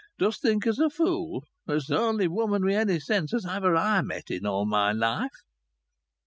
Dost think her's a fool? Her's the only woman wi' any sense as ever I met in all my life."